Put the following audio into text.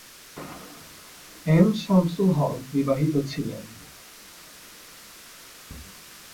M Shamsul Haque বিবাহিত ছিলেন।